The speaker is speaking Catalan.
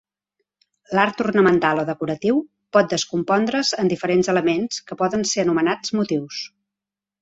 L'art ornamental o decoratiu pot descompondre's en diferents elements, que poden ser anomenats motius.